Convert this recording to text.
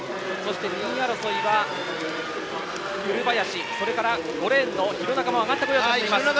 ２位争いは古林それから、５レーンの弘中も上がってこようというところ。